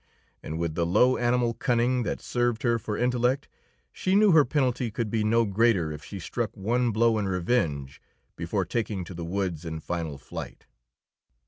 And with the low animal cunning that served her for intellect she knew her penalty could be no greater if she struck one blow in revenge before taking to the woods in final flight.